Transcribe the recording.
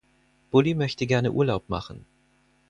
Bully möchte gerne Urlaub machen.